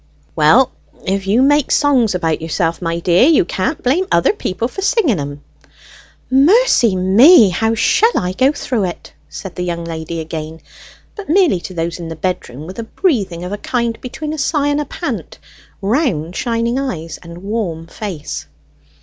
"Well, if you make songs about yourself, my dear, you can't blame other people for singing 'em." "Mercy me! how shall I go through it?" said the young lady again, but merely to those in the bedroom, with a breathing of a kind between a sigh and a pant, round shining eyes, and warm face.